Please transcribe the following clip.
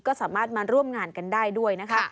ก็สามารถมาร่วมงานกันได้ด้วยนะคะ